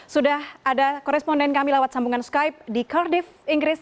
sudah ada koresponden kami lewat sambungan skype di cardif inggris